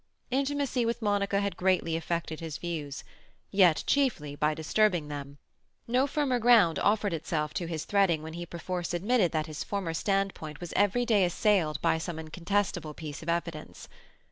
Intimacy with Monica had greatly affected his views, yet chiefly by disturbing them; no firmer ground offered itself to his treading when he perforce admitted that his former standpoint was every day assailed by some incontestable piece of evidence.